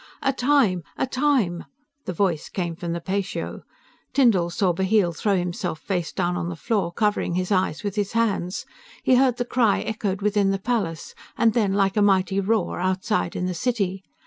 "A Time! A Time!" The voice came from the patio. Tyndall saw Bheel throw himself face down on the floor, covering his eyes with his hands. He heard the cry echoed within the palace, and then like a mighty roar outside in the city.